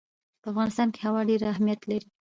په افغانستان کې هوا ډېر اهمیت لري.